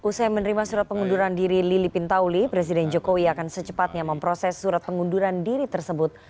usai menerima surat pengunduran diri lili pintauli presiden jokowi akan secepatnya memproses surat pengunduran diri tersebut